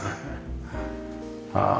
ああ